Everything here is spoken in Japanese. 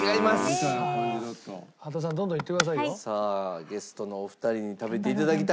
さあゲストのお二人に食べて頂きたい。